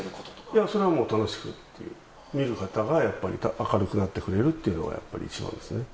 いや、それはもう楽しく、見る方がやっぱり明るくなってくれるというのが、やっぱり一番ですね。